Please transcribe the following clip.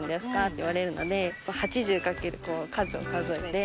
って言われるので８０掛ける数を数えて。